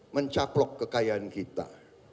mencaplok kekayaan kita